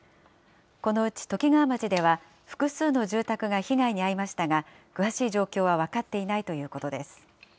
このうちときがわ町では、複数の住宅が被害に遭いましたが、詳しい状況は分かっていないということです。